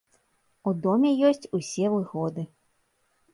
У доме ёсць усе выгоды.